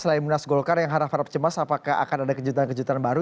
selain munas golkar yang harap harap cemas apakah akan ada kejutan kejutan baru